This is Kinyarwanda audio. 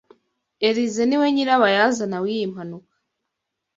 Elyse niwe nyirabayazana w'iyi mpanuka.